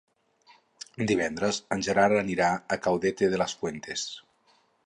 Divendres en Gerard anirà a Caudete de las Fuentes.